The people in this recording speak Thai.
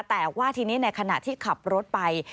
แต่ว่าทีนี้ในขณะที่ขับรถไป